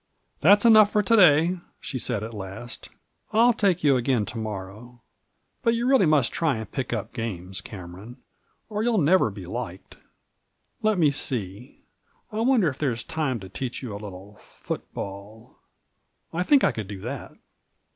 " That's enough for to day 1 " she said at last ;" I'll take you again to morrow. But you really must try and pick up games, Cameron, or you'll never be liked. Let me see, I wonder if there's time to teach you a little foot ball. I think I could do that."